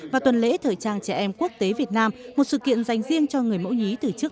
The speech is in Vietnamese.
và tuần lễ thời trang trẻ em quốc tế việt nam một sự kiện dành riêng cho người mẫu nhí từ trước